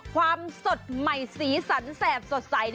ความสดใหม่สีสันแสบสดใส